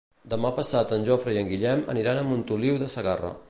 Demà passat en Jofre i en Guillem aniran a Montoliu de Segarra.